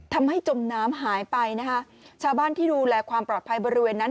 จมน้ำหายไปนะคะชาวบ้านที่ดูแลความปลอดภัยบริเวณนั้น